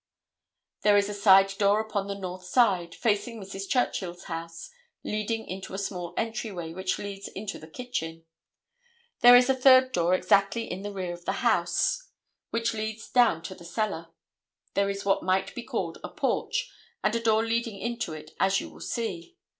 There is a side door upon the north side, facing Mrs. Churchill's house, leading into a small entryway which leads into the kitchen. There is a third door exactly in the rear of the house, which leads down to the cellar. There is what might be called a porch, and a door leading into it, as you will see.